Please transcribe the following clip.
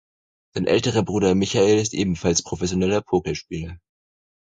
Sein älterer Bruder Michael ist ebenfalls professioneller Pokerspieler.